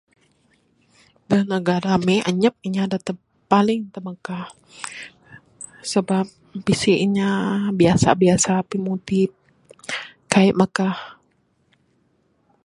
Da negara ami anyap inya da paling timagah sabab bisi inya biasa biasa pimudip kaik magah